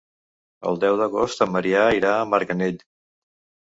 El deu d'agost en Maria irà a Marganell.